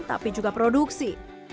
tapi juga produksi